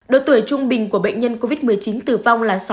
độ tuổi trung bình của bệnh nhân covid một mươi chín tử vong là sáu mươi